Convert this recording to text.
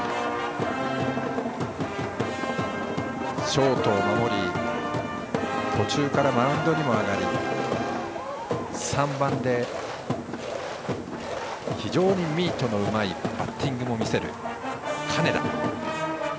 ショートを守り途中からマウンドにも上がり３番で非常にミートのうまいバッティングも見せる金田。